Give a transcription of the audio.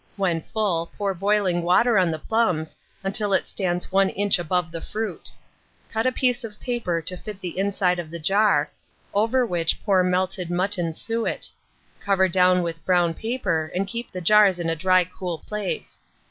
When full, pour boiling water on the plums, until it stands one inch above the fruit; cut a piece of paper to fit the inside of the jar, over which pour melted mutton suet; cover down with brown paper, and keep the jars in a dry cool place.